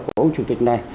của ông chủ tịch này